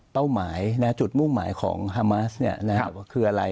เป้าหมายนะจุดมุ่งหมายของฮามัสเนี่ยนะฮะคืออะไร